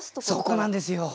そこなんですよ